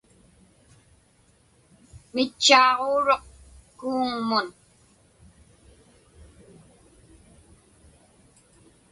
Mitchaaġuuruq kuuŋmun.